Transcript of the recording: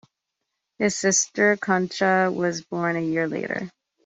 His sister, Concha, was born a year later.